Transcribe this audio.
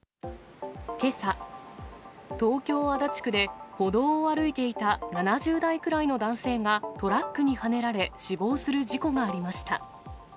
けさ、東京・足立区で歩道を歩いていた７０代くらいの男性が、トラックにはねられ、死亡する事故がありました。